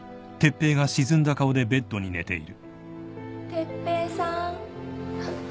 ・哲平さん。